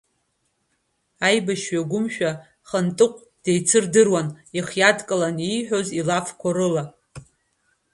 Аибашьҩы гәымшәа Хантыҟә деицырдыруан ихы иадкыланы ииҳәоз илафқәа рыла.